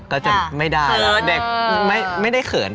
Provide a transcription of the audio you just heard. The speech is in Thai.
ก็จะไม่ได้แล้วเด็กไม่ได้เขิน